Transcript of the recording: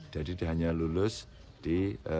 jadi dia hanya lulus di